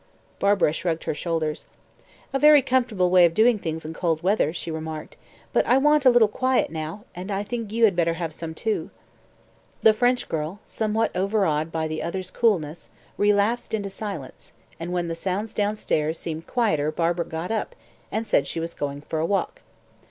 Barbara shrugged her shoulders. "A very comfortable way of doing things in cold weather," she remarked; "but I want a little quiet now, and I think you had better have some too." The French girl, somewhat overawed by the other's coolness, relapsed into silence, and when the sounds downstairs seemed quieter Barbara got up, and said she was going out for a walk.